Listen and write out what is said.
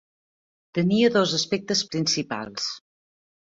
Tenia dos aspectes principals.